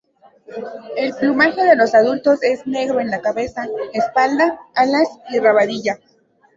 El plumaje de los adultos es negro en la cabeza, espalda, alas y rabadilla.